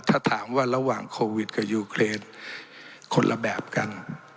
ถ้าถามว่าระหว่างโควิดกับยูเครนคนละแบบกัน